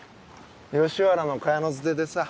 吉原の茅野づてでさ